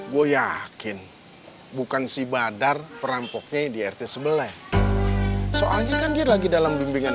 gue yakin bukan si badar perampoknya di rt sebelah soalnya kan dia lagi dalam bimbingan